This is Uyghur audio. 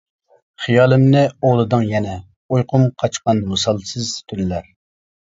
خىيالىمنى ئوۋلىدىڭ يەنە، ئۇيقۇم قاچقان ۋىسالسىز تۈنلەر.